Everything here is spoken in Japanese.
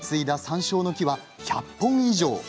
山椒の木は１００本以上。